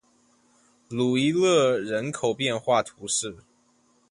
鲁伊勒人口变化图示